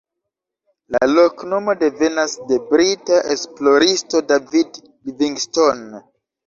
La loknomo devenas de brita esploristo David Livingstone.